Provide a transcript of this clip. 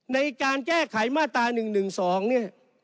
ในการแก้ไขมาตรา๑๑๒เนี่ย